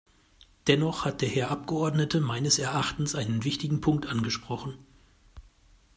Dennoch hat der Herr Abgeordnete meines Erachtens einen wichtigen Punkt angesprochen.